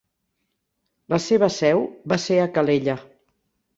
La seva seu va ser a Calella.